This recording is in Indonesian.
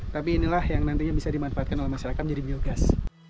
tapi inilah yang nantinya bisa dimanfaatkan oleh masyarakat menjadi biogas